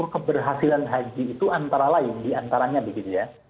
keberhasilan haji itu antara lain diantaranya begitu ya